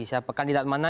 siapa kandidat mana